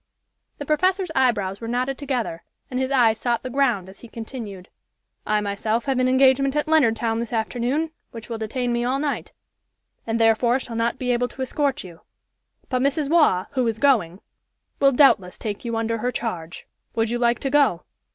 The professor's eyebrows were knotted together, and his eyes sought the ground, as he continued: "I myself have an engagement at Leonardtown this afternoon, which will detain me all night, and therefore shall not be able to escort you; but Mrs. Waugh, who is going, will doubtless take you under her charge. Would you like to go?"